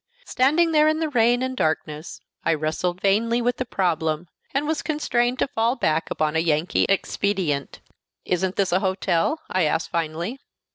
Standing there in the rain and darkness, I wrestled vainly with the problem, and was constrained to fall back upon a Yankee expedient. "Isn't this a hotel?" I asked finally.